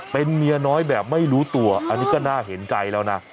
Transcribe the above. เป็นเมียน้อยแบบไม่รู้ตัวอันนี้ก็น่าเห็นใจแล้วนะ